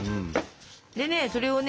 でねそれをね